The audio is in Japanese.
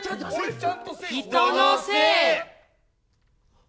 人のせい！